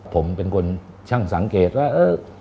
ผมเป็นคนช่างสังเกตว่า